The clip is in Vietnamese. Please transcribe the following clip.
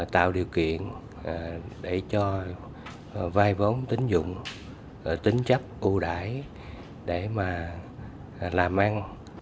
tạo điều kiện để cho vây vốn tính dụng tính chấp ưu đải để mà làm ăn